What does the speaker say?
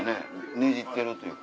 ねじってるというか。